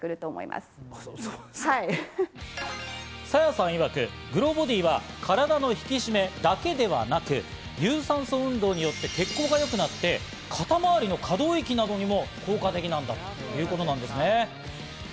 Ｓａｙａさんいわく、ｇｌｏｂｏｄｙは、体の引き締めだけではなく、有酸素運動によって血行が良くなって肩周りの可動域などにも効果的なんだということなんですね。